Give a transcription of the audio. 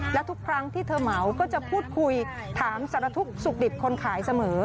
และทุกครั้งที่เธอเหมาก็จะพูดคุยถามสารทุกข์สุขดิบคนขายเสมอ